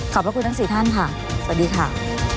พระคุณทั้ง๔ท่านค่ะสวัสดีค่ะ